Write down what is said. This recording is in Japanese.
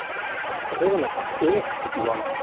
河野さんを大きく上回った、